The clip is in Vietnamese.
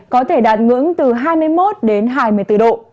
có thể đạt ngưỡng từ hai mươi một đến hai mươi bốn độ